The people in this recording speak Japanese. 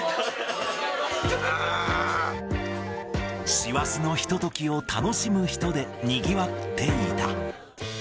師走のひとときを楽しむ人でにぎわっていた。